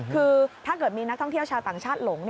คือถ้าเกิดมีนักท่องเที่ยวชาวต่างชาติหลง